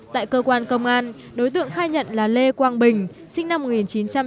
tại cơ quan công an đối tượng khai nhận là lê quang bình sinh năm một nghìn chín trăm tám mươi